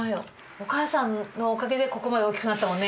お母さんのおかげでここまで大きくなったもんね。